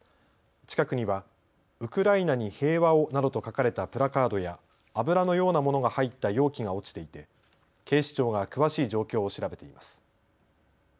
近くにはウクライナに平和をなどと書かれたプラカードや油のようなものが入った容器が落ちていて警視庁が詳しい状況を調べています。